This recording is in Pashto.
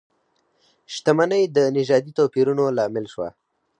شتمنۍ د نژادي توپیرونو لامل شوه.